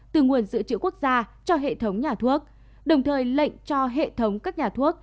từ nguồn dự trữ quốc gia cho hệ thống nhà thuốc đồng thời lệnh cho hệ thống các nhà thuốc